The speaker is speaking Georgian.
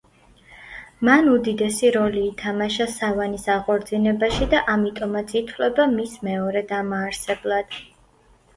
მან უდიდესი როლი ითამაშა სავანის აღორძინებაში და ამიტომაც ითვლება მის მეორე დამაარსებლად.